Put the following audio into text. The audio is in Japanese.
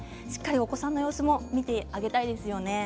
お子さんの様子もしっかりと見てあげたいですね。